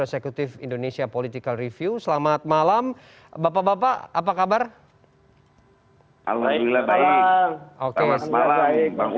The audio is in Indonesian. eksekutif indonesia political review selamat malam bapak bapak apa kabar hai alhamdulillah